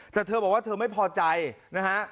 แต่เธอบอกว่าเธอไม่พอใจนะฮะ